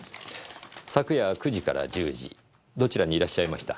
昨夜９時から１０時どちらにいらっしゃいました？